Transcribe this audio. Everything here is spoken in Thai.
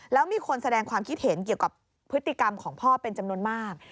แล้วมีคนแสดงความคิดเห็นเกี่ยวกับพฤติกรรมของพ่อเป็นจำนวนมาก